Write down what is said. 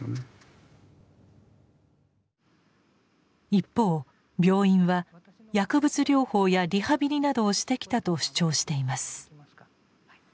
一方病院は薬物療法やリハビリなどをしてきたと主張しています。